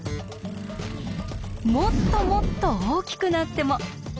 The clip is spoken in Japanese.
もっともっと大きくなっても。